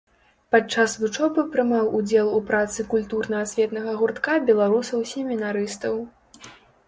Падчас вучобы прымаў удзел у працы культурна-асветнага гуртка беларусаў-семінарыстаў.